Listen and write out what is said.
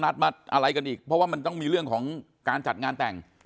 นัดมาอะไรกันอีกเพราะว่ามันต้องมีเรื่องของการจัดงานแต่ง